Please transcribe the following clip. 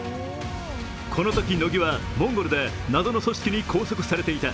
このとき乃木はモンゴルで謎の組織に拘束されていた。